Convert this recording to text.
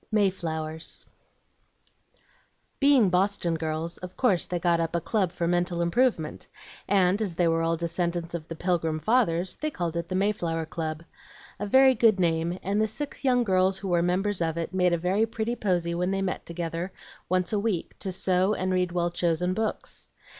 MAY FLOWERS Being Boston girls, of course they got up a club for mental improvement, and, as they were all descendants of the Pilgrim Fathers, they called it the Mayflower Club. A very good name, and the six young girls who were members of it made a very pretty posy when they met together, once a week, to sew, and read well chosen books.